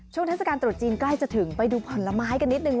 เทศกาลตรุษจีนใกล้จะถึงไปดูผลไม้กันนิดนึง